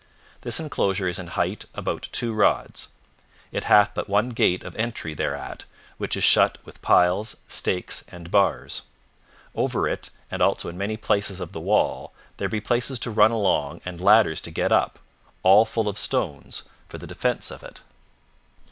This enclosure is in height about two rods. It hath but one gate of entry thereat, which is shut with piles, stakes, and bars. Over it and also in many places of the wall there be places to run along and ladders to get up, all full of stones, for the defence of it.